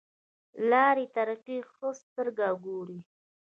لارې طریقې ښه سترګه ګوري.